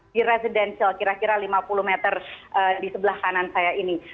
di residential kira kira lima puluh meter di sebelah kanan saya ini